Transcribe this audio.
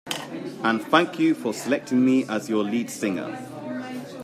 And thank you for selecting me as your lead singer.